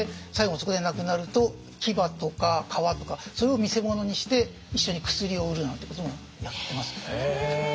そこで亡くなると牙とか皮とかそれを見せ物にして一緒に薬を売るなんてこともやってますね。